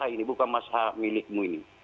ini bukan masa milikmu ini